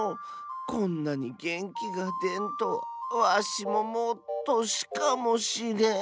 こんなにげんきがでんとはわしももうとしかもしれん。